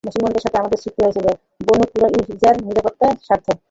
মুসলমানদের সাথে আমাদের চুক্তি হয়েছিল বনু কুরাইযার নিরাপত্তার স্বার্থেই।